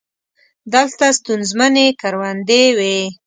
دلته ستونزمنې کروندې وې.